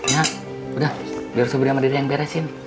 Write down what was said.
yaudah biar sobris sama dede yang beresin